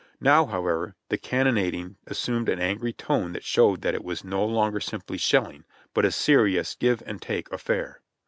Now, however, the cannonading assumed an angry tone that showed that it was no longer simply shelling, but a serious give and take affair.